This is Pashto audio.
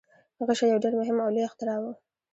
غشی یو ډیر مهم او لوی اختراع و.